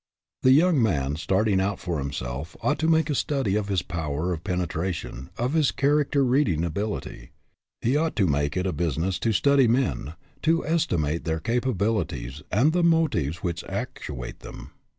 The young man starting out for himself ought to make a study of his power of penetra tion, of his character reading ability. He ought to make it a business to study men, to estimate their capabilities and the motives which actuate them.